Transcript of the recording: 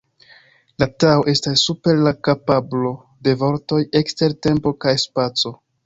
La Tao estas super la kapablo de vortoj, ekster tempo kaj spaco.